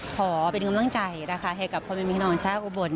ขอเป็นกำลังใจนะคะให้กับผวยมีนมของชาวอุบล